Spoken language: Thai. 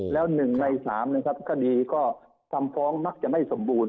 แล้ว๑ใน๓นะครับคดีก็คำฟ้องมักจะไม่สมบูรณ